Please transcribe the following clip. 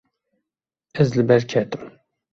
Ez li ber ketim.